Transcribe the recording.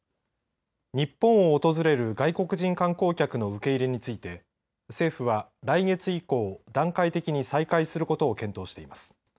日本を訪れる外国人観光客の受け入れについて政府は来月以降段階的に再開することを検討しています。